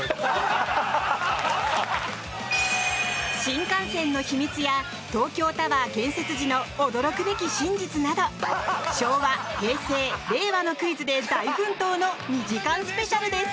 新幹線の秘密や東京タワー建設時の驚くべき真実など昭和、平成、令和のクイズで大奮闘の２時間スペシャルです！